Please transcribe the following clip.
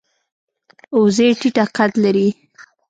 وزې ټیټه قد لري